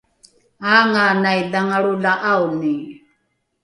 aanganai dhangalro la ’aoni